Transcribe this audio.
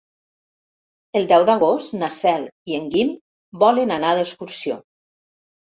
El deu d'agost na Cel i en Guim volen anar d'excursió.